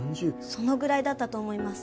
そのぐらいだったと思います